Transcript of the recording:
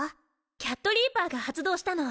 キャットリーパーが発動したの。